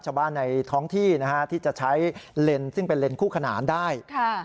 ชาวบ้านในท้องที่นะฮะที่จะใช้เลนส์ซึ่งเป็นเลนคู่ขนานได้